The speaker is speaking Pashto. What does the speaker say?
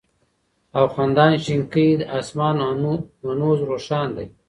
او خندان شينكى آسمان هنوز روښان دى